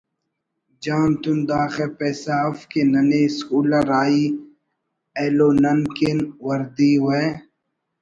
جان تون داخہ پیسہ اف کہ ننے اسکول آ راہی ایلو نن کن وردی و